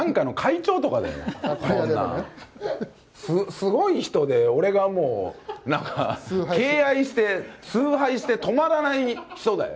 すごい人で、俺がもう、なんか、敬愛して崇拝して止まらない人だよ。